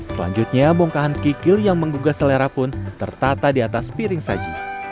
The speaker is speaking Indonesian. selanjutnya bongkahan kikil yang menggugah selera pun tertata di atas piring saji